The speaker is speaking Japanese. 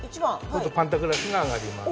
するとパンタグラフが上がります。